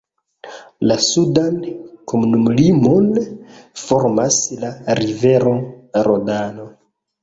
La sudan komunumlimon formas la rivero Rodano.